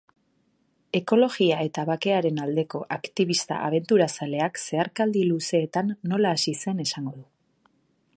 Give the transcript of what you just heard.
Ekologia eta bakearen aldeko aktibista abenturazaleak zeharkaldi luzeetan nola hasi zen esango du.